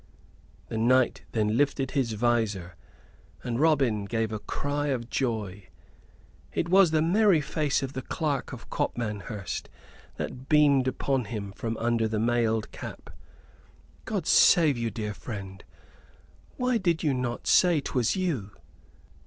The knight then lifted his visor, and Robin gave a cry of joy. It was the merry face of the Clerk of Copmanhurst that beamed upon him from under the mailed cap. "God save you, dear friend, why did you not say 'twas you?"